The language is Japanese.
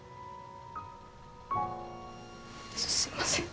すいません。